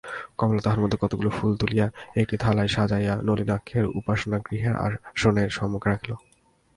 কমলা তাহার মধ্যে কতকগুলি ফুল তুলিয়া একটি থালায় সাজাইয়া নলিনাক্ষের উপাসনাগৃহের আসনের সম্মুখে রাখিল।